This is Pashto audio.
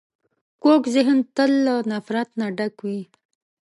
کوږ ذهن تل له نفرت نه ډک وي